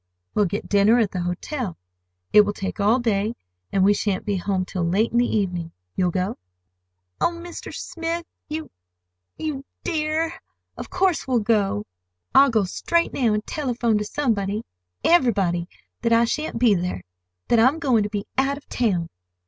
We'll get dinner at the hotel. It will take all day, and we shan't be home till late in the evening. You'll go?" "Oh, Mr. Smith, you—you dear! Of course we'll go! I'll go straight now and telephone to somebody—everybody—that I shan't be there; that I'm going to be out of town!"